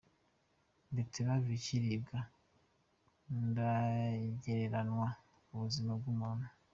Beterave ikiribwa ntagereranwa ku buzima bw’umuntu